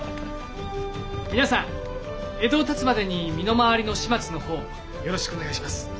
皆さん江戸をたつまでに身の回りの始末の方よろしくお願いします。